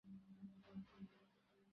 গা ঠাণ্ডা, জ্বর নেই।